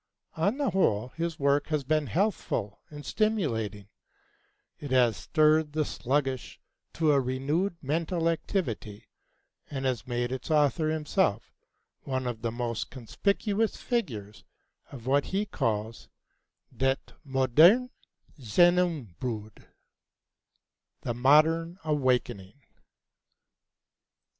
On the whole, his work has been healthful and stimulating; it has stirred the sluggish to a renewed mental activity, and has made its author himself one of the most conspicuous figures of what he calls "det Moderne Gjennembrud" the Modern Awakening.